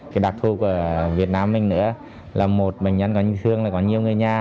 cái đặc thù của việt nam mình nữa là một bệnh nhân có nhiều người nhà